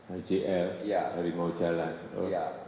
ajl hari mau jalan terus